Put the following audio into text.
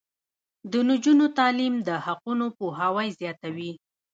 د نجونو تعلیم د حقونو پوهاوی زیاتوي.